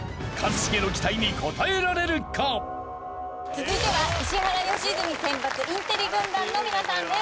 続いては石原良純選抜インテリ軍団の皆さんです。